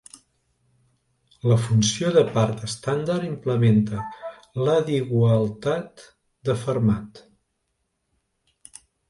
La funció de part estàndard implementa l'adigualtat de Fermat.